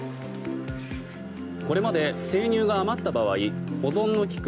これまで生乳が余った場合保存の利く